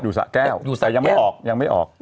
อยู่สระแก้วแต่ยังไม่ออกยังไม่ออก